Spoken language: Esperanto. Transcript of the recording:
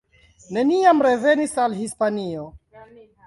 Neniam revenis al Hispanio.